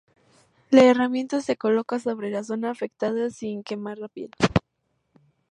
La herramienta se coloca sobre la zona afectada sin quemar la piel.